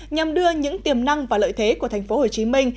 nhằm đưa những tiềm năng và lợi thế của thành phố hồ chí minh